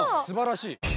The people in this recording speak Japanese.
すばらしい。